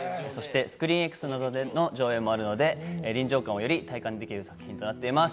そしてスクリーンＸなどでの上映もあるので、臨場感をより体感できる作品となっています。